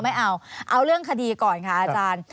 ไม่เอาเอาเรื่องคดีก่อนค่ะอาจารย์